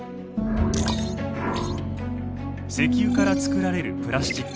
石油から作られるプラスチック。